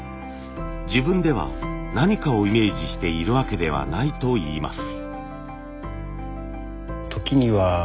自分では何かをイメージしているわけではないといいます。